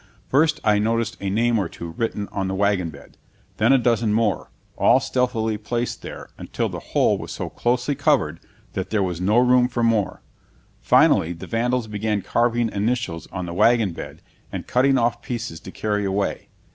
First I noticed a name or two written on the wagon bed, then a dozen or more, all stealthily placed there, until the whole was so closely covered that there was no room for more. Finally the vandals began carving initials on the wagon bed and cutting off pieces to carry away.